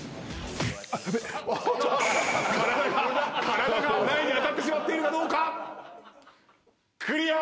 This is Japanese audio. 体が台に当たってしまっているがどうか⁉クリア！